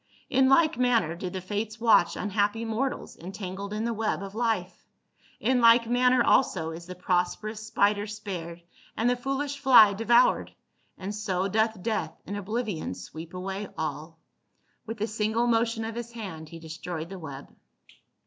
In like manner do the Fates watch unhappy mortals entangled in the web of life ; in like manner also is the prosperous spider spared and the foolish fly devoured, and so doth death and oblivion sweep away all." With a single motion of his hand he destroyed the web.